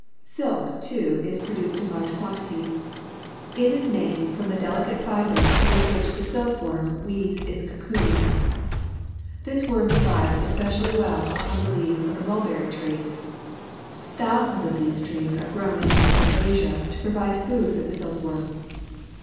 Silk, too, is produced in large quantities. It is made from the deli cate fibres with which the silk worm weaves its cocoon. This worm thrives especially well upon the leaves of the mulberrj^ tree. Thousands of these trees are grown in Eastern Asia to pro\'ide food for the silk worm.